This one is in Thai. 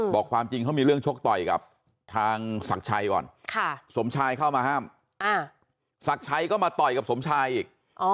ความจริงเขามีเรื่องชกต่อยกับทางศักดิ์ชัยก่อนสมชายเข้ามาห้ามศักดิ์ชัยก็มาต่อยกับสมชายอีก